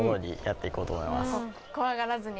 怖がらずに。